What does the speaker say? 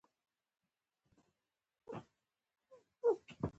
دوهمه برخه: